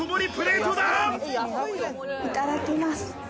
いただきます。